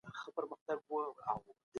ناولونه د نوي فکر استازیتوب کوي.